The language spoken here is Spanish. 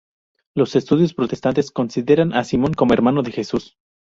Los estudiosos protestantes consideran a Simón como hermano de Jesús.